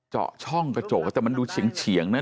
จะถึงไปให้เห็นอีกนะ